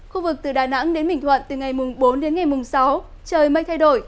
khu vực từ đà nẵng đến bình thuận từ ngày bốn đến ngày mùng sáu trời mây thay đổi